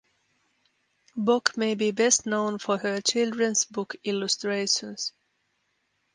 Bock may be best known for her children’s book illustrations.